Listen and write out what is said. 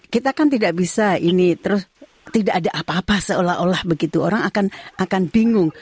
kita kan tidak bisa ini terus tidak ada apa apa seolah olah begitu orang akan bingung